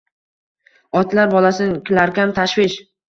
Otalar bolasin kilarkan tashvish